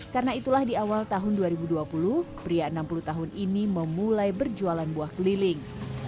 karena itulah di awal tahun dua ribu dua puluh pria enam puluh tahun ini memulai berjualan buah keliling